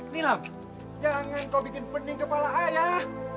milam jangan kau bikin pening kepala ayah